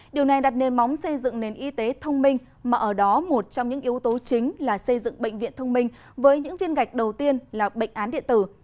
điều này đặt nền móng xây dựng nền y tế thông minh mà ở đó một trong những yếu tố chính là xây dựng bệnh viện thông minh với những viên gạch đầu tiên là bệnh án điện tử